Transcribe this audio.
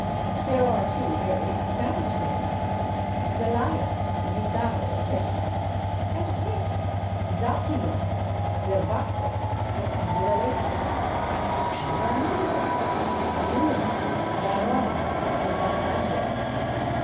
There are, too, various Spanish names: /Zelaya/, /Zingaro/, etc. And Greek: /Zapeion/, /Zervakos/ and /Zouvelekis/. And Armenian: /Zaloom/, /Zaron/ and /Zatmajian